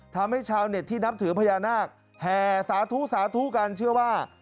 ทำให้ชาวเน็ตที่นับถือพญานาคแห่สาธุสาธุกันเชื่อว่า